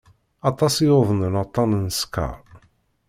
Aṭas i yuḍnen aṭṭan n sskeṛ.